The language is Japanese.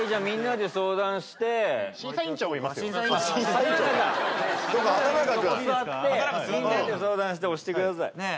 みんなで相談して押してください。